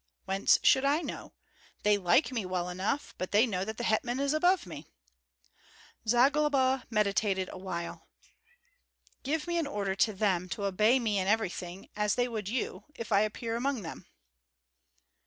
"Whence should I know? They like me well enough, but they know that the hetman is above me." Zagloba meditated awhile. "Give me an order to them to obey me in everything, as they would you, if I appear among them."